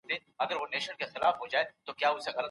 ایا ګاونډی په کور کې دی؟